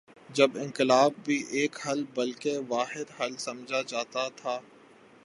جب انقلاب بھی ایک حل بلکہ واحد حل سمجھا جاتا تھا۔